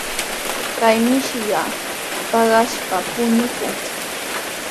Kay mishi paqaspa puñunku.